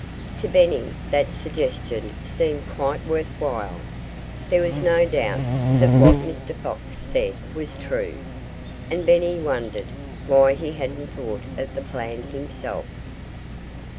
To Benny, that suggestion seemed quite worth while. There was no doubt that what Mr. Fox said was true. And Benny wondered why he hadn't thought of the plan himself.